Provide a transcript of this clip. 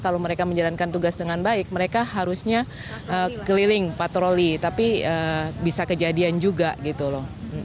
kalau mereka menjalankan tugas dengan baik mereka harusnya keliling patroli tapi bisa kejadian juga gitu loh